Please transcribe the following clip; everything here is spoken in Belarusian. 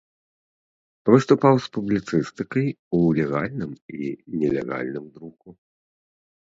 Выступаў з публіцыстыкай у легальным і нелегальным друку.